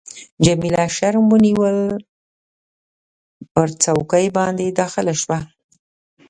جميله شرم ونیول، پر چوکۍ باندي داخله شوه.